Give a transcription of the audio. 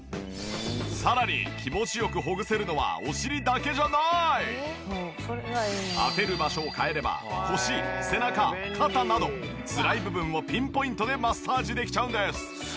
さらに気持ち良くほぐせるのは当てる場所を変えれば腰背中肩などつらい部分をピンポイントでマッサージできちゃうんです。